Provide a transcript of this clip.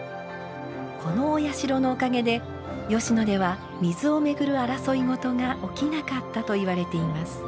このお社のおかげで吉野では水を巡る争い事が起きなかったといわれています。